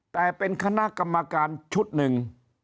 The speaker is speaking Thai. แต่เป็นคณะกรรมการชุดหนึ่ง